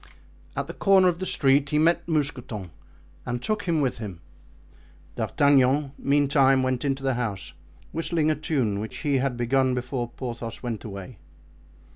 At the corner of the street he met Mousqueton and took him with him. D'Artagnan, meantime, went into the house, whistling a tune which he had begun before Porthos went away.